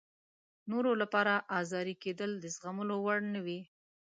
نورو لپاره ازاري کېدل د زغملو وړ نه وي.